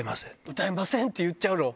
歌えませんって言っちゃうの？